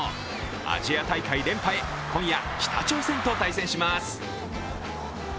アジア大会連覇へ、今夜、北朝鮮と対戦します。